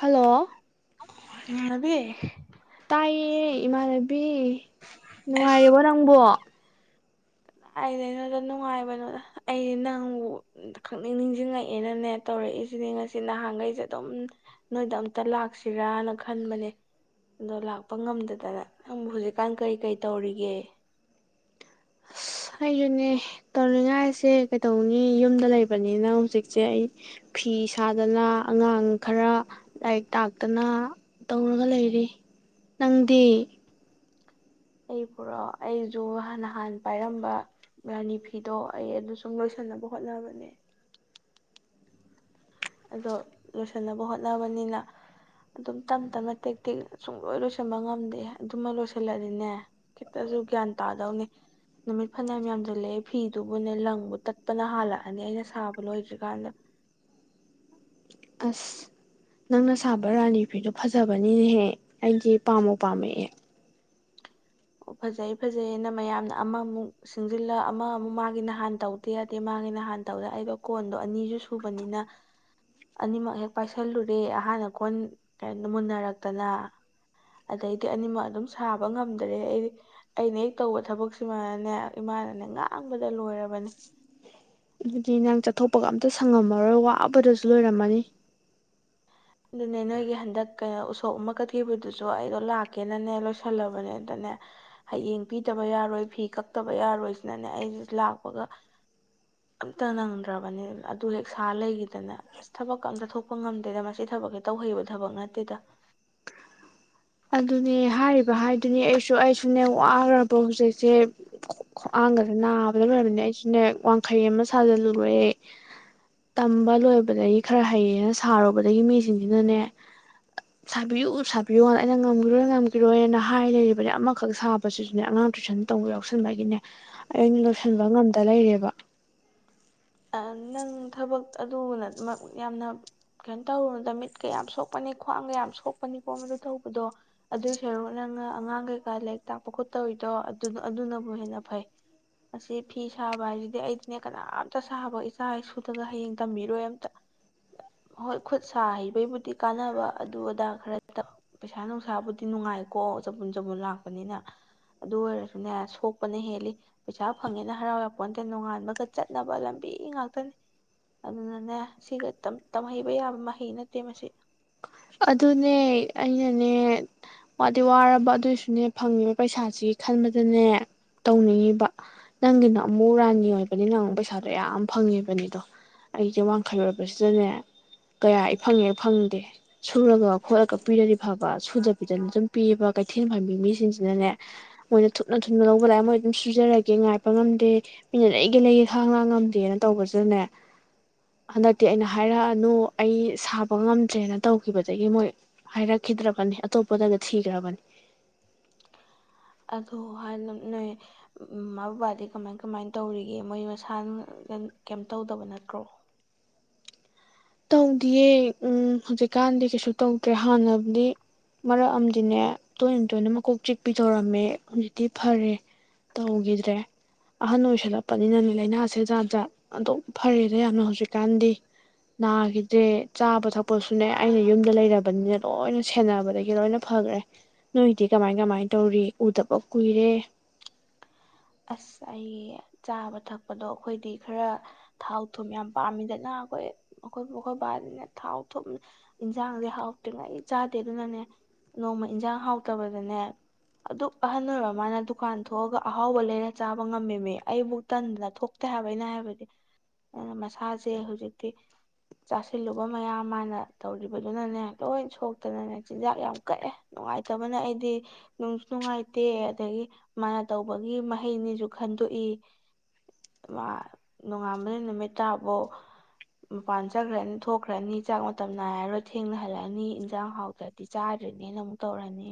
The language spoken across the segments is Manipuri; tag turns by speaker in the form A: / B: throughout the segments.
A: ꯍꯜꯂꯣ
B: ꯗꯤ
A: ꯇꯥꯏ ꯏꯃꯥꯟ ꯕꯤ ꯅꯨꯡꯉꯥꯏꯔꯤꯕꯣ ꯅꯪꯕꯣ
B: ꯂꯏꯗꯩꯅꯣꯗ ꯅꯨꯡꯉꯥꯏꯕꯅꯣꯗ ꯑꯩꯁ ꯅꯪꯕꯨ ꯈꯛꯅꯤꯡ ꯅꯤꯡꯁꯤꯡꯉꯛꯑꯦꯅꯅꯦ ꯇꯧꯔꯛꯏꯁꯤꯅꯦ ꯉꯁꯤ ꯅꯍꯥꯟꯈꯩꯁꯦ ꯑꯗꯨꯝ ꯅꯣꯏꯗ ꯑꯝꯇ ꯂꯥꯛꯁꯤꯔꯅ ꯈꯟꯕꯅꯦ ꯑꯗꯣ ꯂꯥꯛꯄ ꯉꯝꯗꯗꯅ ꯅꯪꯕꯨ ꯍꯧꯖꯤꯛꯀꯥꯟ ꯀꯔꯤ ꯀꯩ ꯇꯧꯔꯤꯒꯦ
A: ꯍꯥꯏꯖꯅꯦ ꯇꯧꯅꯤꯡꯉꯥꯏꯁꯦ ꯀꯩꯗꯧꯅꯤ ꯌꯨꯝꯗ ꯂꯩꯕꯅꯤꯅ ꯍꯧꯖꯤꯛꯁꯦ ꯑꯩ ꯐꯤ ꯁꯥꯗꯅ ꯑꯉꯥꯡ ꯈꯔ ꯂꯥꯏꯔꯤꯛ ꯇꯥꯛꯇꯅ ꯇꯧꯔꯒ ꯂꯩꯔꯤ ꯅꯪꯗꯤ
B: ꯑꯩ ꯄꯨꯔꯛꯑꯣ ꯑꯩꯁꯨ ꯍꯥꯟꯅ ꯍꯥꯟ ꯄꯥꯏꯔꯝꯕ ꯔꯥꯅꯤ ꯐꯤꯗꯣ ꯑꯩ ꯑꯗꯨ ꯁꯨꯝ ꯂꯣꯏꯁꯤꯟꯅꯕ ꯍꯣꯠꯅꯕꯅꯦ ꯑꯗꯣ ꯂꯣꯏꯁꯤꯟꯅꯕ ꯍꯣꯠꯅꯕꯅꯤꯅ ꯑꯗꯨꯝ ꯇꯞ ꯇꯞꯅ ꯇꯦꯛ ꯇꯦꯛ ꯁꯨꯡꯂꯣꯏ ꯂꯣꯏꯁꯤꯟꯕ ꯉꯝꯗꯦ ꯑꯗꯨꯃ ꯂꯣꯏꯁꯤꯜꯂꯛꯗꯤꯅꯦ ꯈꯤꯇꯁꯨ ꯒ꯭ꯌꯥꯟ ꯇꯥꯗꯧꯅꯦ ꯅꯨꯃꯤꯠ ꯐꯅꯌꯥꯝ ꯌꯥꯝꯁꯤꯜꯂꯛꯑꯦ ꯐꯤꯗꯨꯕꯨꯅꯦ ꯂꯪꯕꯨ ꯇꯠꯄꯅ ꯍꯥꯜꯂꯛꯑꯅꯤ ꯑꯩꯅ ꯁꯥꯕ ꯂꯣꯏꯗ꯭ꯔꯤꯀꯥꯟꯗ
A: ꯑꯁ ꯅꯪꯅ ꯁꯥꯕ ꯔꯥꯅꯤ ꯐꯤꯗꯣ ꯐꯖꯕꯅꯤꯅꯦꯍꯦ ꯑꯩꯗꯤ ꯄꯥꯝꯃꯣ ꯄꯥꯝꯃꯛꯑꯦ
B: ꯑꯣ ꯐꯖꯩ ꯐꯖꯩꯌꯦꯅ ꯃꯌꯥꯝꯅ ꯑꯃꯃꯨꯛ ꯁꯤꯁꯤꯡꯖꯤꯜꯂ ꯑꯃ ꯑꯃꯨꯛ ꯃꯥꯒꯤ ꯅꯍꯥꯟ ꯇꯧꯗꯦ ꯌꯥꯗꯦ ꯃꯥꯒꯤ ꯅꯍꯥꯟ ꯇꯧꯗꯦ ꯑꯩꯗꯣ ꯀꯣꯟꯗꯣ ꯑꯅꯤꯁꯨ ꯁꯨꯕꯅꯤꯅ ꯑꯅꯤꯃꯛ ꯍꯦꯛ ꯄꯥꯏꯁꯜꯂꯨꯔꯦ ꯑꯍꯥꯟꯅ ꯀꯣꯟ ꯀꯣ ꯃꯨꯟꯅꯔꯛꯇꯅ ꯑꯗꯩꯗꯤ ꯑꯅꯤꯃꯛ ꯑꯗꯨꯝ ꯁꯥꯕ ꯉꯝꯗ꯭ꯔꯦ ꯑꯩꯗꯤ ꯑꯩꯅ ꯍꯦꯛ ꯇꯧꯕ ꯊꯕꯛꯁꯤꯃꯅꯅꯦ ꯏꯃꯥꯅꯅꯦ ꯉꯥꯡꯕꯗ ꯂꯣꯏꯔꯕꯅꯦ
A: ꯑꯗꯨꯗꯤ ꯅꯪ ꯆꯠꯊꯣꯛꯄꯒ ꯑꯝꯇ ꯁꯪꯉꯝꯃꯔꯣꯏ ꯋꯥꯕꯗꯁꯨ ꯂꯣꯏꯔꯝꯃꯅꯤ
B: ꯑꯗꯨꯅꯦ ꯅꯣꯏꯒꯤ ꯍꯟꯗꯛ ꯀꯩꯅꯣ ꯎꯁꯣꯞ ꯑꯃ ꯀꯠꯈꯤꯕꯗꯨꯁꯨ ꯑꯩꯗꯣ ꯂꯥꯛꯀꯦꯅꯅꯦ ꯂꯣꯏꯁꯜꯂꯕꯅꯦꯗꯅꯦ ꯍꯌꯦꯡ ꯄꯤꯗꯕ ꯌꯥꯔꯣꯏ ꯐꯤ ꯀꯛꯇꯕ ꯌꯥꯔꯣꯏꯁꯤꯅꯅꯦ ꯑꯩꯁꯤ ꯂꯥꯛꯄꯒ ꯑꯝꯇ ꯅꯪꯗ꯭ꯔꯕꯅꯤꯅ ꯑꯗꯨ ꯍꯦꯛ ꯁꯥ ꯂꯩꯈꯤꯗꯅ ꯑꯁ ꯊꯕꯛ ꯑꯝꯇ ꯊꯣꯛꯄ ꯉꯝꯗꯦꯗ ꯊꯕꯛꯁꯦ ꯇꯧꯍꯩꯕ ꯊꯕꯛ ꯅꯠꯇꯦꯗ
A: ꯑꯗꯨꯅꯦ ꯍꯥꯏꯔꯤꯕ ꯍꯥꯏꯗꯨꯅꯤ ꯑꯩꯁꯨ ꯑꯩꯁꯨꯅꯦ ꯋꯥꯈꯔꯕ ꯍꯧꯖꯤꯛꯁꯦ ꯈꯍꯥꯡꯒꯗ ꯅꯥꯕꯗ ꯂꯣꯏꯔꯕꯅꯦ ꯑꯩꯁꯨꯅꯦ ꯋꯥꯡꯈꯩ ꯑꯃ ꯁꯥꯖꯤꯜꯂꯨꯔꯦ ꯇꯝꯕ ꯂꯣꯏꯕꯗꯒꯤ ꯈꯔ ꯍꯩꯌꯦꯅ ꯁꯥꯔꯨꯕꯗꯒꯤ ꯃꯤꯁꯤꯡꯁꯤꯅꯅꯦ ꯆꯕꯤ ꯁꯕꯤꯌ ꯑꯩꯅ ꯉꯝꯈꯤꯔꯣꯏ ꯉꯝꯈꯤꯔꯣꯏꯅ ꯍꯥꯏ ꯂꯩꯔꯤꯕꯅꯦ ꯑꯃꯈꯛ ꯁꯥꯕꯁꯤꯁꯨꯅꯦ ꯑꯉꯥꯡ ꯇꯨꯏꯁꯟ ꯇꯧꯕ ꯌꯥꯎꯁꯟꯕꯒꯤꯅꯦ ꯑꯩꯅ ꯂꯣꯏꯁꯤꯟꯕ ꯉꯝꯗ ꯂꯩꯔꯦꯕ
B: ꯅꯪ ꯊꯕꯛ ꯑꯗꯨ ꯌꯥꯝꯅ ꯀꯩꯅꯣ ꯇꯧꯔꯨꯗ ꯃꯤꯠꯀꯌꯥꯝ ꯁꯣꯛꯄꯅꯤ ꯈ꯭ꯋꯥꯡ ꯀꯌꯥꯝ ꯁꯣꯛꯄꯅꯤꯀꯣ ꯃꯗꯨ ꯇꯧꯕꯗꯣ ꯑꯗꯨꯏ ꯁꯔꯨꯛ ꯅꯪꯅ ꯑꯉꯥꯡ ꯀꯩꯀꯥ ꯂꯥꯏꯔꯤꯛ ꯇꯥꯛꯄ ꯈꯣꯠꯇꯧꯔꯤꯗꯣ ꯑꯗꯨꯅꯕꯨ ꯍꯦꯟꯅ ꯐꯩ ꯑꯁꯤ ꯐꯤ ꯁꯥꯕ ꯍꯥꯏꯖꯤꯗꯤ ꯑꯩꯗꯤꯅꯦ ꯀꯅꯥꯝꯇ ꯁꯥꯕ ꯏꯆꯥ ꯏꯁꯨꯗꯒ ꯍꯌꯦꯡ ꯇꯝꯕꯤꯔꯣꯏ ꯑꯝꯇ ꯍꯣꯏ ꯈꯨꯠ ꯁꯥ ꯍꯩꯕꯩꯕꯨꯗꯤ ꯀꯥꯟꯅꯕ ꯑꯗꯨ ꯑꯗꯥ ꯈꯔ ꯄꯩꯁꯥ ꯅꯨꯡꯁꯥꯕꯨꯗꯤ ꯅꯨꯡꯉꯥꯏꯀꯣ ꯆꯕꯨꯟ ꯆꯕꯨꯟ ꯂꯥꯛꯄꯅꯤꯅ ꯑꯗꯨ ꯑꯣꯏꯔꯁꯨꯅꯦ ꯁꯣꯛꯄꯅ ꯍꯦꯜꯂꯤ ꯄꯩꯁꯥ ꯐꯪꯉꯦꯅ ꯍꯔꯥꯎ ꯌꯥꯔꯄꯣ ꯅꯠꯇ ꯅꯣꯡꯉꯥꯟꯕꯒ ꯆꯠꯅꯕ ꯂꯝꯕꯤ ꯉꯥꯛꯇꯅꯦ ꯑꯗꯨꯅꯅꯦ ꯁꯤꯒ ꯇꯝꯍꯩꯕ ꯌꯥꯕ ꯃꯍꯩ ꯅꯠꯇꯦ ꯃꯁꯤ
A: ꯑꯗꯨꯅꯦ ꯑꯩꯅꯅꯦ ꯋꯥꯗꯤ ꯋꯥꯔꯕ ꯑꯗꯨꯏꯁꯨꯅꯦ ꯐꯪꯉꯤꯕ ꯄꯩꯁꯥꯁꯤ ꯈꯟꯕꯗꯅꯦ ꯇꯧꯅꯤꯡꯉꯤꯕ ꯅꯪꯒꯤꯅꯣ ꯑꯃꯨ ꯔꯥꯅꯤ ꯑꯣꯏꯕꯅꯤꯃꯨꯛ ꯄꯩꯁꯥꯗꯣ ꯌꯥꯝ ꯐꯪꯉꯦꯕꯅꯤꯗꯣ ꯑꯩꯁꯦ ꯋꯥꯡꯈꯠꯂꯨꯔꯕꯕꯁꯤꯗꯅꯦ ꯀꯌꯥ ꯏ ꯐꯪꯉꯦ ꯐꯪꯗꯦ ꯁꯨꯔꯒ ꯈꯣꯠꯂꯒ ꯄꯤꯔꯗꯤ ꯐꯕ ꯁꯨꯗꯕꯤꯗꯅ ꯑꯗꯨꯝ ꯄꯤꯑꯕ ꯀꯩꯊꯦꯜ ꯐꯝꯕꯤ ꯃꯤꯁꯤꯡꯁꯤꯅꯅꯦ ꯃꯣꯏꯅ ꯊꯨꯅ ꯊꯨꯅ ꯂꯧꯕ ꯂꯥꯏ ꯃꯣꯏ ꯑꯗꯨꯝ ꯁꯨꯖꯔꯒꯦ ꯉꯥꯏꯄ ꯉꯝꯗꯦ ꯃꯤꯅ ꯂꯩꯒꯦ ꯂꯩꯒꯦ ꯈꯥꯡꯅꯥꯡ ꯉꯝꯗꯦꯅ ꯇꯧꯕꯁꯤꯗꯅꯦ ꯍꯟꯗꯛꯇꯤ ꯑꯩꯅ ꯍꯥꯏꯔꯛꯑꯅꯨ ꯑꯩ ꯁꯥꯕ ꯉꯝꯗ꯭ꯔꯦꯅ ꯈꯤꯕꯖꯥꯏ ꯃꯣꯏ ꯍꯥꯏꯔꯛꯈꯤꯗ꯭ꯔꯕꯅꯤ ꯑꯇꯣꯞꯄꯗꯒ ꯊꯤꯈ꯭ꯔꯕꯅꯤ
B: ꯑꯗꯣ ꯍꯅ ꯅꯣꯏ ꯃꯃꯥ ꯕꯕꯥꯗꯤ ꯀꯃꯥꯏ ꯀꯃꯥꯏꯅ ꯇꯧꯔꯤꯒꯦ ꯃꯣꯏ ꯃꯁꯥꯅ ꯀꯩꯏꯝ ꯇꯧꯗꯕ ꯅꯠꯇ꯭ꯔꯣ
A: ꯇꯧꯗꯤꯌꯦ ꯎ ꯍꯧꯖꯤꯛꯀꯥꯟꯗꯤ ꯀꯩꯁꯨ ꯇꯧꯗ꯭ꯔꯦ ꯍꯥꯟꯅꯗꯤ ꯃꯔꯛ ꯑꯃꯗꯤꯅꯦ ꯇꯣꯏꯅ ꯇꯣꯏꯅ ꯃꯀꯣꯛ ꯆꯤꯛꯄꯤ ꯇꯧꯔꯝꯃꯦ ꯍꯧꯖꯤꯛꯇꯤ ꯐꯔꯦ ꯇꯧꯈꯤꯗ꯭ꯔꯦ ꯑꯍꯟ ꯑꯣꯏꯁꯜꯂꯛꯄꯅꯤꯅꯅꯦ ꯂꯥꯏꯅꯥꯁꯦ ꯖꯥꯠ ꯖꯥꯠ ꯑꯗꯨꯝ ꯐꯔꯦꯗ ꯌꯥꯝꯅ ꯍꯧꯖꯤꯛꯀꯥꯟꯗꯤ ꯅꯥꯈꯤꯗꯔ꯭ꯦ ꯆꯥꯕ ꯊꯛꯄꯁꯨꯅꯦ ꯑꯩꯅ ꯌꯨꯝꯗ ꯂꯩꯔꯕꯅꯤꯅ ꯂꯣꯏꯅ ꯁꯦꯟꯅꯕꯗꯒꯤ ꯂꯣꯏꯅ ꯐꯒꯔ꯭ꯦ ꯅꯣꯏꯗꯤ ꯀꯃꯥꯏ ꯀꯃꯥꯏ ꯇꯧꯔꯤ ꯎꯗꯕ ꯀꯨꯏꯔꯦ
B: ꯑꯁ ꯑꯩ ꯆꯥꯕ ꯊꯛꯄꯗꯣ ꯑꯩꯈꯣꯏꯗꯤ ꯈꯔ ꯊꯥꯎ ꯊꯨꯝ ꯌꯥꯝ ꯄꯥꯝꯃꯤꯗꯅ ꯑꯩꯈꯣꯏ ꯑꯩꯈꯣꯏ ꯃꯈꯣꯏ ꯕꯥꯗꯤꯅꯦ ꯊꯥꯎ ꯊꯨꯝ ꯏꯟꯖꯥꯡꯁꯦ ꯍꯥꯎꯇ꯭ꯔꯤꯉꯩ ꯆꯥꯗꯦ ꯑꯗꯨꯅꯅꯦ ꯅꯣꯡꯃ ꯏꯟꯖꯥꯡ ꯍꯥꯎꯇꯕꯗꯅꯦ ꯑꯗꯨꯛ ꯑꯍꯜ ꯑꯣꯏꯔꯕ ꯃꯥꯅ ꯗꯨꯀꯥꯟ ꯊꯣꯛꯑꯒ ꯑꯍꯥꯎꯕ ꯂꯩꯔ ꯑꯩꯅ ꯆꯥꯕ ꯉꯝꯃꯤꯃꯤ ꯑꯩꯕꯨ ꯇꯟꯗꯅ ꯊꯣꯛꯇꯦ ꯍꯥꯏꯕꯩꯅ ꯍꯥꯏꯕꯗꯤ ꯑꯗꯨꯅ ꯃꯁꯥꯁꯦ ꯍꯧꯖꯤꯛꯇꯤ ꯆꯥꯁꯤꯜꯂꯨꯕ ꯃꯌꯥꯝ ꯃꯥꯅ ꯇꯧꯔꯤꯕꯗꯨꯅꯅꯦ ꯂꯣꯏ ꯁꯣꯛꯇꯅꯅꯦ ꯆꯤꯟꯖꯥꯛ ꯌꯥꯝ ꯀꯛꯑꯦ ꯅꯨꯡꯉꯥꯏꯇꯕꯅ ꯑꯩꯗꯤ ꯅꯨꯡꯁꯨ ꯅꯨꯡꯉꯥꯏꯇꯦ ꯑꯗꯒꯤ ꯃꯥꯅ ꯇꯧꯕꯒꯤ ꯍꯩꯅꯤꯁꯨ ꯈꯟꯗꯣꯛꯏ ꯅꯣꯡꯉꯥꯥꯟꯕꯗ ꯅꯨꯃꯤꯠ ꯇꯥꯕꯧ ꯃꯄꯥꯟ ꯆꯠꯈ꯭ꯔꯅꯤ ꯊꯣꯛꯈ꯭ꯔꯅꯤ ꯆꯥꯛ ꯃꯇꯝ ꯅꯥꯏꯔꯔꯣꯏ ꯊꯦꯡꯅ ꯍꯜꯂꯛꯑꯅꯤ ꯏꯟꯖꯥꯡ ꯍꯥꯎꯗ꯭ꯔꯗꯤ ꯆꯥꯗ꯭ꯔꯤꯅꯦꯅ ꯑꯃꯨꯛ ꯇꯧꯔꯅꯤ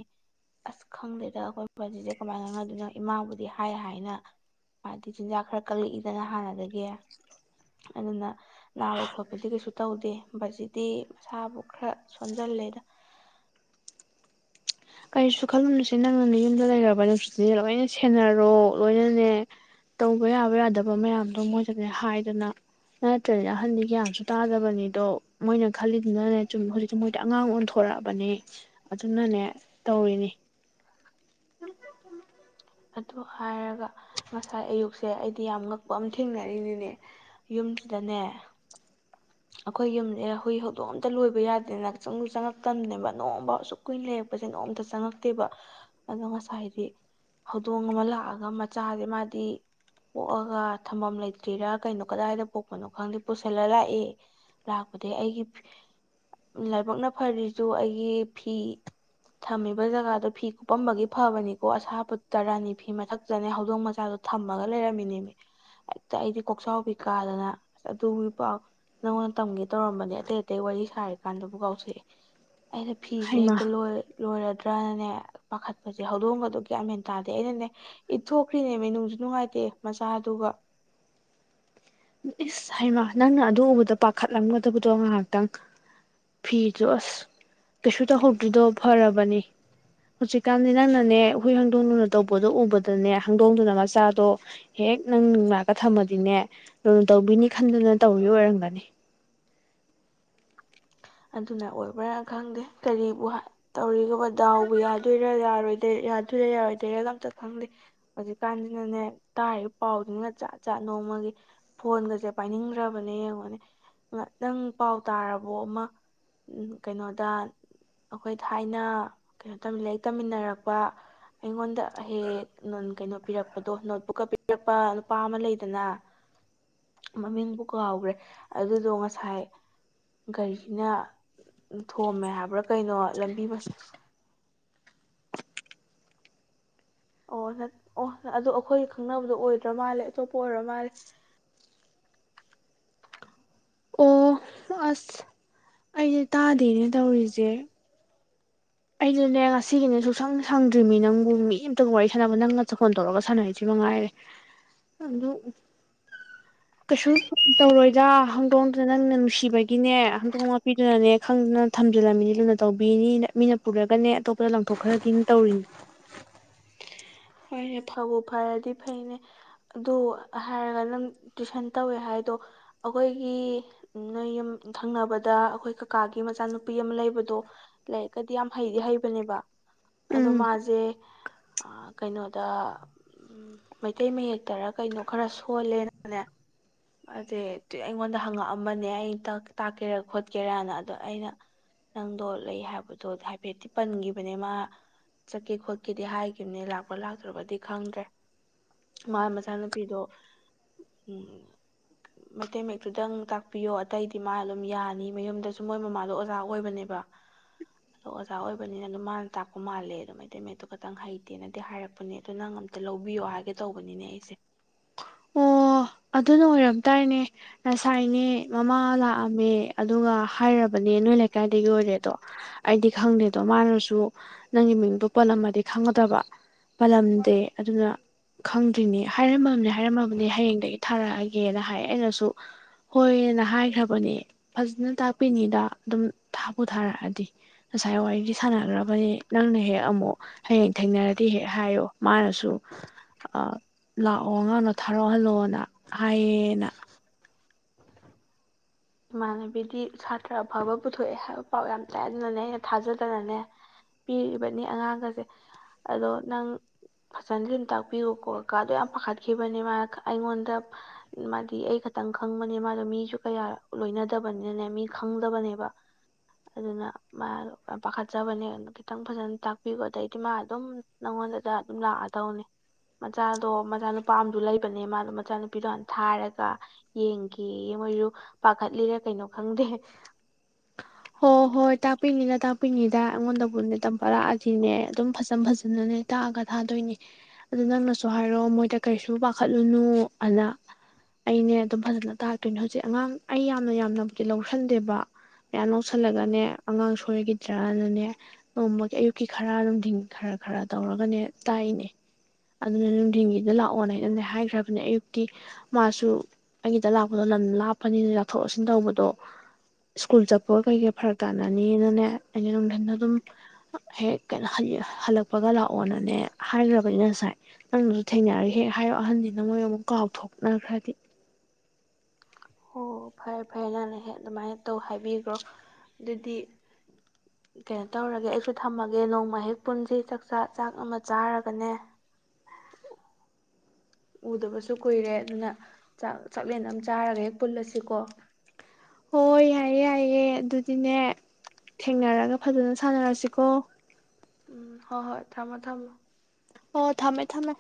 B: ꯑꯁ ꯈꯪꯗꯦꯗ ꯑꯩꯈꯣꯏ ꯄꯖꯤꯁꯦ ꯀꯃꯥꯏꯅ ꯉꯪꯅꯗꯣꯏꯅꯣ ꯏꯃꯥꯕꯨꯗꯤ ꯍꯥꯏ ꯍꯥꯏꯅ ꯃꯥꯗꯤ ꯆꯤꯟꯖꯥꯛ ꯈꯔ ꯀꯛꯂꯛꯏꯗꯅ ꯍꯥꯟꯅꯗꯒꯤ ꯑꯗꯨꯅ ꯅꯥꯕ ꯈꯣꯠꯄꯗꯤ ꯀꯩꯁꯨ ꯇꯧꯗꯦ ꯃꯁꯤꯗꯤ ꯃꯁꯥꯕꯨ ꯈꯔ ꯁꯣꯟꯖꯜꯂꯦꯗ
A: ꯀꯔꯤꯁꯨ ꯈꯜꯂꯨꯅꯨꯁꯦ ꯅꯪꯅꯅ ꯌꯨꯝꯗ ꯂꯩꯔꯕ ꯅꯁꯤꯅꯦ ꯂꯣꯏꯅ ꯁꯦꯟꯅꯔꯣ ꯂꯣꯏꯅꯅꯦ ꯇꯧꯕ ꯌꯥꯕ ꯌꯥꯗꯕ ꯃꯌꯥꯝꯗꯣ ꯃꯣꯏꯗꯅꯦ ꯍꯥꯏꯗꯅ ꯅꯠꯇ꯭ꯔꯅ ꯑꯍꯟꯗꯤ ꯒ꯭ꯌꯥꯟꯁꯨ ꯇꯥꯗꯕꯅꯤꯗꯣ ꯃꯣꯏꯅ ꯈꯜꯂꯤꯗꯨꯅꯅꯦ ꯁꯨꯝ ꯍꯧꯖꯤꯛꯇꯤ ꯃꯣꯏꯗꯤ ꯑꯉꯥꯡ ꯑꯣꯟꯊꯣꯔꯛꯑꯕꯅꯤ ꯑꯗꯨꯅꯅꯦ ꯇꯧꯔꯤꯅꯤ
B: ꯑꯗꯨ ꯍꯥꯏꯔꯒ ꯉꯁꯥꯏ ꯑꯌꯨꯛꯁꯦ ꯑꯩꯗꯤ ꯌꯥꯝ ꯉꯛꯄ ꯑꯃ ꯊꯦꯡꯅꯔꯤꯅꯤꯅꯦ ꯌꯨꯝꯁꯤꯗꯅꯦ ꯑꯩꯈꯣꯏ ꯌꯨꯝꯁꯦ ꯍꯨꯏ ꯍꯧꯗꯣꯡ ꯑꯝꯇ ꯂꯣꯏꯕ ꯌꯥꯗꯦꯗꯅꯆꯪꯁꯨ ꯆꯪꯉꯛꯇꯕꯅꯦꯕ ꯅꯣꯡꯝꯕ ꯑꯁꯨꯛ ꯀꯨꯏꯅ ꯂꯩꯔꯛꯄꯁꯦ ꯅꯣꯡꯝꯇ ꯆꯪꯉꯛꯇꯦꯕ ꯑꯗꯣ ꯉꯁꯥꯏꯗꯤ ꯍꯧꯗꯣꯡ ꯑꯃ ꯂꯥꯛꯑꯒ ꯃꯆꯥꯁꯦ ꯃꯥꯗꯤ ꯄꯣꯛꯑꯒ ꯊꯝꯐꯝꯝ ꯂꯩꯇ꯭ꯔꯤꯔꯥ ꯀꯩꯅꯣ ꯀꯗꯥꯏꯗ ꯄꯣꯛꯄꯅꯣ ꯈꯪꯗꯦ ꯄꯨꯁꯤꯜꯂ ꯂꯥꯛꯑꯦ ꯂꯥꯛꯄꯗꯒꯤ ꯑꯩꯒꯤ ꯂꯥꯏꯕꯛꯅ ꯐꯔꯤꯁꯨ ꯑꯩꯒꯤ ꯐꯤ ꯊꯝꯃꯤꯕ ꯖꯒꯥꯗꯣ ꯐꯤ ꯀꯨꯞꯄꯝꯕꯒꯤ ꯐꯕꯅꯤꯀꯣ ꯑꯁꯥꯄ ꯇꯔꯥꯅꯤ ꯐꯤ ꯃꯊꯛꯇꯅꯦ ꯍꯧꯗꯣꯡ ꯃꯆꯥꯗꯣ ꯊꯝꯃꯒ ꯂꯩꯔꯝꯃꯤꯅꯦꯃꯤ ꯍꯦꯛꯇ ꯑꯩꯗꯤ ꯀꯣꯛꯆꯥꯎꯕꯤ ꯀꯥꯗꯅ ꯑꯁ ꯑꯗꯨꯒꯤ ꯄꯥꯎ ꯅꯪꯉꯣꯟꯗ ꯇꯝꯒꯦ ꯇꯧꯔꯝꯕꯅꯦ ꯑꯇꯩ ꯑꯇꯩ ꯋꯥꯔꯤ ꯁꯥꯔꯤ ꯀꯥꯟꯗꯕꯨ ꯀꯥꯎꯊꯣꯛꯑꯦ ꯑꯩꯅ ꯐꯤꯁꯦ
A: ꯍꯩꯃꯥ
B: ꯍꯦꯛꯇ ꯂꯣꯏꯔ ꯂꯣꯏꯔꯗ꯭ꯔꯅꯅꯦ ꯄꯥꯈꯠꯄꯁꯦ ꯍꯧꯗꯣꯡꯕꯗꯨꯒꯤꯌꯥꯃꯦꯟ ꯇꯥꯗꯦ ꯑꯩꯅꯅꯦ ꯏꯠꯊꯣꯛꯈ꯭ꯔꯤꯅꯦ ꯃꯤꯅꯨꯡꯁꯨ ꯅꯨꯡꯉꯥꯏꯇꯦ ꯃꯆꯥꯗꯨ
A: ꯏꯁ ꯍꯩꯃꯥ ꯅꯪꯅ ꯑꯗꯨ ꯎꯕꯗ ꯄꯥꯈꯠꯂꯝꯒꯗꯕꯗꯣ ꯉꯥꯏꯍꯥꯛꯇꯪ ꯐꯤꯗꯣ ꯑꯁ ꯀꯩꯁꯨ ꯇꯧꯍꯧꯗ꯭ꯔꯤꯗꯣ ꯐꯔꯕꯅꯤ ꯍꯧꯖꯤꯛꯀꯥꯟꯗꯤ ꯅꯪꯅꯅꯦ ꯍꯨꯏ ꯍꯥꯡꯗꯣꯡꯂꯨꯅ ꯇꯧꯕꯗꯣ ꯎꯕꯗ ꯗꯨꯅꯦ ꯍꯪꯗꯣꯡꯗꯨꯅ ꯃꯆꯥꯗꯣ ꯍꯦꯛ ꯅꯪ ꯂꯥꯛꯑꯒ ꯊꯝꯃꯗꯤꯅꯦ ꯂꯨꯅ ꯇꯧꯕꯤꯅꯤ ꯈꯟꯗꯅ ꯇꯧꯔꯤ ꯑꯣꯏꯔꯝꯒꯅꯤ
B: ꯑꯗꯨꯅ ꯑꯣꯏꯕ꯭ꯔꯥ ꯈꯪꯗꯦ ꯀꯔꯤꯕꯨ ꯇꯧꯔꯤꯒ ꯗꯥꯎꯕ ꯌꯥꯗꯣꯏꯔꯥ ꯌꯥꯔꯣꯏꯗ ꯌꯥꯗꯣꯏꯔꯦ ꯌꯥꯔꯣꯏꯗꯦꯏꯔ ꯑꯝꯇ ꯈꯪꯗꯦ ꯍꯧꯖꯤꯛꯀꯥꯟꯖꯤꯅꯅꯦ ꯇꯥꯔꯤꯕ ꯄꯥꯎꯗꯨꯅꯤꯅ ꯖꯥꯠ ꯖꯥꯠ ꯅꯣꯡꯃꯒꯤ ꯐꯣꯟꯒꯁꯦ ꯄꯥꯏꯅꯤꯡꯗ꯭ꯔꯕꯅꯦ ꯌꯦꯡꯉꯅꯦ ꯅꯪ ꯄꯥꯎ ꯇꯥꯔꯕꯣ ꯑꯃ ꯀꯩꯅꯣꯗ ꯑꯩꯈꯣꯏ ꯊꯥꯏꯅ ꯀꯩꯅꯣ ꯂꯥꯏꯔꯤꯛ ꯇꯝꯃꯤꯟꯅꯔꯛꯄ ꯑꯩꯉꯣꯟꯗ ꯍꯦꯛ ꯀꯩꯅꯣ ꯄꯤꯔꯛꯄꯗꯣ ꯅꯣꯠꯕꯨꯛꯀ ꯄꯤꯔꯛꯄ ꯅꯨꯄꯥ ꯑꯃ ꯂꯩꯗꯅ ꯃꯃꯤꯡꯕꯨ ꯀꯥꯎꯒꯔ꯭ꯦ ꯑꯗꯨꯗꯣ ꯉꯁꯥꯏ ꯒꯥꯔꯤꯅ ꯊꯣꯝꯃꯦ ꯍꯥꯏꯕ꯭ꯔꯥ ꯀꯩꯅꯣ ꯂꯝꯕꯤ ꯑꯣ ꯅ ꯑꯣ ꯑꯗꯨ ꯑꯩꯈꯣꯏ ꯈꯪꯅꯕꯗꯣ ꯑꯣꯏꯗ꯭ꯔ ꯃꯥꯜꯂꯦ ꯑꯇꯣꯞꯄ ꯑꯣꯏꯔ ꯃꯥꯜꯂꯦ
A: ꯑꯩꯁꯦ ꯇꯥꯗꯦꯅꯦ ꯇꯧꯔꯤꯁꯦ ꯆꯦ ꯑꯩꯖꯨꯅꯦ ꯉꯁꯤꯒꯤꯅꯦ ꯁꯨꯡꯁꯪ ꯁꯪꯗ꯭ꯔꯤꯃꯤ ꯅꯪꯕꯨ ꯃꯤ ꯋꯥꯔꯤ ꯁꯥꯟꯅꯕ ꯅꯪꯅ ꯆꯈꯣꯟ ꯇꯧꯔꯒ ꯁꯥꯟꯅꯔꯤꯁꯤ ꯃꯉꯥꯏꯔꯦ ꯑꯗꯨ ꯀꯩꯁꯨ ꯇꯧꯔꯣꯏꯗ ꯍꯧꯗꫭꯡꯗꯨ ꯅꯪꯅ ꯅꯨꯡꯁꯤꯕꯒꯤꯅꯦ ꯍꯟꯗꯣꯡꯅ ꯄꯤꯗꯨꯅꯅꯦ ꯈꯪꯗꯅ ꯊꯝꯖꯤꯜꯂꯝꯃꯤꯅꯤ ꯂꯨꯅ ꯇꯧꯕꯤꯅꯤꯅ ꯃꯤꯅ ꯄꯨꯔꯒꯅꯦ ꯑꯇꯣꯞꯄꯗ ꯂꯪꯊꯣꯛꯈ꯭ꯔꯗꯤꯅ ꯇꯧꯔꯤꯅꯤ
B: ꯍꯣꯏꯅꯦ ꯐꯕꯨ ꯐꯔꯗꯤ ꯐꯩꯅꯦ ꯑꯗꯨ ꯍꯥꯏꯔꯒ ꯅꯪ ꯇꯨꯏꯁꯟ ꯇꯧꯋꯦ ꯍꯥꯏꯗꯣ ꯑꯩꯈꯣꯏꯒꯤ ꯅꯣꯏ ꯌꯨꯝ ꯊꯪꯅꯕꯗ ꯑꯩꯈꯣꯏ ꯀꯀꯥꯒꯤ ꯃꯆꯥꯅꯨꯄꯤ ꯑꯃ ꯂꯩꯕꯗꯣ ꯂꯥꯏꯔꯤꯛꯀꯗꯤ ꯌꯥꯝ ꯍꯩꯗꯤ ꯍꯩꯕꯅꯦꯕ ꯑꯗꯣ
A: ꯎꯝ
B: ꯃꯥꯖꯦ ꯑꯥ ꯀꯩꯅꯣꯗ ꯃꯩꯇꯩ ꯃꯌꯦꯛꯇꯔ ꯀꯩꯅꯣ ꯈꯔ ꯁꯣꯜꯂꯦꯅꯅꯦ ꯃꯥꯖꯦ ꯇꯨ ꯑꯩꯉꯣꯟꯗ ꯍꯪꯉꯛꯑꯝꯕꯅꯦ ꯑꯩ ꯇꯥꯛꯀꯦꯔꯥ ꯈꯣꯠꯀꯦꯔꯅ ꯑꯗꯣ ꯑꯩꯅ ꯅꯪꯗꯣ ꯂꯩ ꯍꯥꯏꯕꯗꯣ ꯍꯥꯏꯐꯦꯠꯇꯤ ꯄꯟꯈꯤꯕꯅꯦ ꯃꯥ ꯆꯠꯀꯦ ꯈꯣꯠꯀꯦꯗꯤ ꯍꯥꯏꯒꯤꯕꯅꯦ ꯂꯛ ꯄꯥ ꯂꯥꯛꯇ꯭ꯔꯕꯗꯤ ꯈꯪꯗ꯭ꯔꯦ ꯃꯥ ꯃꯆꯥꯅꯨꯄꯤꯗꯣ ꯎꯝ ꯃꯩꯇꯩ ꯃꯥꯌꯦꯛꯇꯨꯗꯪ ꯇꯥꯛꯄꯤꯌꯣ ꯑꯇꯩꯗꯤ ꯃꯥ ꯑꯗꯨꯝ ꯌꯥꯅꯤ ꯃꯌꯨꯝꯗꯁꯨ ꯃꯣꯏ ꯃꯃꯥꯗꯣ ꯑꯣꯖꯥ ꯑꯣꯏꯕꯅꯦꯕ ꯑꯗꯣ ꯑꯣꯖꯥ ꯑꯣꯏꯕꯅꯤꯅ ꯑꯗꯨꯝ ꯃꯥꯅ ꯇꯥꯛꯄ ꯃꯥꯜꯂꯦ ꯑꯗꯣ ꯃꯩꯇꯩ ꯃꯥꯌꯦꯛꯇꫭ ꯈꯥꯇꯪ ꯍꯩꯇꯦꯅ ꯍꯥꯏꯔꯛꯄꯅꯦ ꯑꯗꯨ ꯅꯪ ꯑꯝꯇ ꯂꯧꯕꯤꯌꯣ ꯍꯥꯏꯒꯦ ꯇꯧꯕꯅꯤꯅꯦ ꯑꯩꯖꯦ
A: ꯑꯣ ꯑꯗꯨꯅ ꯑꯣꯏꯔꯝ ꯇꯔꯅꯦ ꯉꯁꯥꯏꯅꯦ ꯃꯃꯥ ꯂꯥꯛꯑꯝꯃꯦ ꯑꯗꯨꯒ ꯍꯥꯏꯔꯕꯅꯦ ꯅꯣꯏ ꯂꯩꯀꯥꯏꯗꯒꯤ ꯑꯣꯏꯔꯦꯗꯣ ꯑꯩꯗꯤ ꯈꯪꯗꯦꯗꯣ ꯃꯥꯅꯁꯨ ꯅꯪꯒꯤ ꯃꯤꯡꯗꯣ ꯄꯣꯠꯂꯝꯃꯗꯤ ꯈꯪꯒꯗꯕ ꯄꯜꯂꯝꯗꯦ ꯑꯗꯨꯅ ꯈꯪ ꯗꯤꯔꯅꯩ ꯍꯥꯏꯔꯝꯃꯕꯅꯦ ꯍꯥꯏꯔꯝꯃꯕꯅꯦ ꯍꯌꯦꯡꯗꯒꯤ ꯊꯥꯔꯛꯑꯒꯦꯅ ꯍꯥꯏ ꯑꯩꯅꯁꯨ ꯍꯣꯏ ꯑꯥꯅ ꯍꯥꯏꯈ꯭ꯔꯕꯅꯦ ꯐꯖꯅ ꯇꯥꯛꯄꯤꯅꯤꯗ ꯑꯗꯨꯝ ꯊꯥꯕꯨ ꯊꯥꯔꯛꯑꯗꯤ ꯉꯁꯥꯏ ꯋꯥꯔꯤꯖꯨ ꯁꯥꯟꯅꯈ꯭ꯔꯕꯅꯦ ꯅꯪꯅ ꯍꯦꯛ ꯑꯃꯨꯛ ꯍꯌꯦꯡ ꯊꯦꯡꯅꯔꯗꯤ ꯍꯦꯛ ꯍꯥꯏꯌꯣ ꯃꯥꯅꯁꯨ ꯑ ꯂꯥꯛꯑꯣ ꯑꯉꯥꯡꯗꫭ ꯊꯥ [unintelligible] ꯍꯜꯂꯣꯅ ꯍꯥꯏꯌꯦꯅ
B: ꯏꯃꯥꯟꯅꯕꯤꯗꯤ ꯁꯥꯇ꯭ꯔ ꯑꯐꯕ ꯄꯨꯊꯣꯛꯑꯦ ꯍꯥꯏꯕ ꯄꯥꯎ ꯌꯥꯝ ꯇꯥꯏ ꯑꯗꯨꯅꯅꯦ ꯑꯩꯅ ꯊꯥꯖꯗꯅꯅꯦ ꯄꯤꯔꯤꯕꯅꯤ ꯑꯉꯥꯡꯒꯖꯩ ꯑꯗꯣ ꯅꯪ ꯐꯖꯅꯗꯤ ꯑꯗꯨꯝ ꯇꯥꯛꯄꯤꯌꯨꯀꫭ ꯀꯥꯗꫭ ꯌꯥꯝ ꯄꯥꯈꯠꯈꯤꯕꯅꯦ ꯃꯥꯅ ꯑꯩꯉꯣꯟꯗ ꯃꯥꯗꯤ ꯑꯩ ꯈꯇꯪ ꯈꯪꯕꯅꯦ ꯃꯥꯗꯣ ꯃꯤꯁꯨ ꯀꯌꯥ ꯂꯣꯏꯅꯗꯕꯅꯤꯅꯅꯦ ꯃꯤ ꯈꯪꯗꯕꯅꯦꯕ ꯑꯗꯨꯅ ꯃꯥꯗꯣ ꯄꯥꯈꯠꯆꯕꯅꯦ ꯑꯗꯨ ꯈꯤꯇꯪ ꯐꯖꯅ ꯇꯥꯛꯄꯤꯌꯣ ꯑꯗꯩꯗꯤ ꯃꯥ ꯑꯗꯨꯝ ꯅꯪꯉꯣꯟꯗꯗ ꯑꯗꯨꯝ ꯂꯥꯛꯑꯗꯧꯅꯦ ꯃꯆꯥꯗꯣ ꯃꯆꯥꯅꯨꯄꯥ ꯑꯝꯁꯨ ꯂꯩꯕꯅꯦ ꯃꯥꯗꯣ ꯃꯆꯥꯅꯨꯄꯤꯗꯣ ꯍꯥꯟ ꯊꯥꯔꯒ ꯌꯦꯡꯈꯤ ꯃꯣꯏꯁꯨ ꯄꯥꯈꯠꯂꯤꯔꯥ ꯀꯩꯅꯣ ꯈꯪꯗꯦ
A: ꯍꯣ ꯍꯣꯏ ꯇꯥꯛꯄꯤꯅꯤꯗ ꯇꯥꯛꯄꯤꯅꯤꯗ ꯑꯩꯉꯣꯟꯗꯕꯨꯅꯦ ꯇꯝꯕ ꯂꯛꯑꯗꯤꯅꯦ ꯑꯗꯨꯝ ꯐꯖꯟ ꯐꯖꯅꯅꯦ ꯇꯥꯛꯑꯒ ꯊꯥꯗꯣꯏꯅꯦ ꯑꯗꯨ ꯅꯪꯅꯁꯨ ꯍꯥꯏꯔꯣ ꯃꯣꯏꯗ ꯀꯩꯁꯨ ꯄꯥꯈꯠꯂꯨꯅꯨ ꯑꯅ ꯑꯩꯅꯦ ꯑꯗꯨꯝ ꯐꯖꯅ ꯇꯥꯛꯛꯇꯣꯏꯅꯦ ꯍꯧꯖꯤꯛ ꯑꯉꯥꯡ ꯑꯩ ꯌꯥꯝꯅ ꯌꯥꯝꯅꯕꯨꯗꯤ ꯂꯧꯁꯟꯗꯦꯕ ꯃꯥꯌꯥꯝ
B: ꯎꯝ
A: ꯂꯧꯁꯜꯂꯒꯅꯦ ꯑꯉꯥꯡ ꯁꯣꯏꯒꯤ ꯗ꯭ꯔꯅꯅꯦ ꯅꯣꯡꯃꯒꯤ ꯑꯌꯨꯛꯀꯤ ꯈꯔ ꯅꯨꯡꯊꯤꯟꯒꯤ ꯈꯔ ꯈꯔ ꯇꯧꯔꯒꯅꯦ ꯇꯥꯛꯏꯅꯦ ꯑꯗꯨꯅ ꯅꯨꯡꯊꯤꯟꯒꯤꯗ ꯂꯥꯛꯑꯣꯅꯥ ꯑꯩꯅꯅꯗꯤ ꯍꯥꯏꯈ꯭ꯔꯕꯅꯦ ꯑꯌꯨꯛꯇꯤ ꯃꯥꯁꯨ ꯑꯩꯒꯤꯗ ꯂꯥꯛꯄꯗꯣ ꯂꯝ ꯂꯥꯞꯄꯅꯤꯅ ꯂꯧꯊꯣꯛ ꯂꯧꯁꯤꯟ ꯇꯧꯕꯗꯣ ꯁ꯭ꯀꯨꯜ ꯆꯠ ꯄꯒꯥ ꯀꯩꯀꯩ ꯐꯔꯛ ꯇꯥꯅꯅꯤꯅꯅꯦ ꯑꯩꯅ ꯅꯨꯡꯊꯤꯟꯗ ꯑꯗꯨꯝ ꯍꯦꯛ ꯀꯩꯅꯣ ꯍꯜ ꯍꯜꯂꯛꯄ ꯀꯞꯄꯒ ꯂꯥꯛꯑꯣꯅꯅꯦ ꯍꯥꯏꯈ꯭ꯔꯕꯅꯤ ꯉꯁꯥꯏ ꯅꯪꯅꯁꯨ ꯊꯦꯡꯅꯔꯒꯦ ꯍꯦꯛ ꯍꯥꯏꯌꯣ ꯑꯍꯟꯁꯤꯅ ꯃꯣꯏ ꯑꯃꯨꯛ ꯀꯥꯎꯊꯣꯛꯅꯈ꯭ꯔꯗꯤ
B: ꯍꯣ ꯐꯔꯦ ꯐꯔꯦ ꯅꯍꯥꯟ ꯍꯦꯛ ꯑꯗꯨꯃꯥꯏꯅ ꯇꯧ ꯍꯥꯏꯕꯤꯈ꯭ꯔꯣ ꯑꯗꯨꯗꯤ ꯀꯩꯅꯣ ꯇꯧꯔꯒꯦ ꯑꯩꯁꯨ ꯊꯝꯃꯒꯦ ꯅꯣꯡꯃꯦꯛ ꯄꯨꯟꯁꯤ ꯆꯥꯛꯆꯥ ꯆꯥꯛ ꯑꯃ ꯆꯥꯔꯒ ꯃꯅꯦ ꯎꯗꯕꯁꯨ ꯀꯨꯏꯔꯦ ꯑꯗꯨꯅ ꯆꯥꯛ ꯆꯥꯛꯂꯦꯟ ꯑꯃ ꯆꯥꯔꯒ ꯍꯦꯛ ꯄꯨꯜꯂꯁꯤꯀꯣ
A: ꯍꯥꯏꯌꯦ ꯑꯗꯨꯗꯤꯅꯦ ꯊꯦꯡꯅꯔꯒ ꯐꯖꯅ ꯁꯥꯟꯅꯔꯁꯤꯀꯣ
B: ꯎꯝ ꯍꯣ ꯍꯣꯏ ꯊꯝꯃꯣ ꯊꯝꯃꯣ
A: ꯑꯣ ꯊꯝꯃꯦ ꯊꯝꯃꯦ